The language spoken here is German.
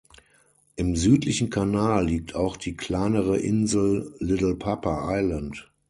Im südlichen Kanal liegt auch die kleinere Insel Little Pappa Island.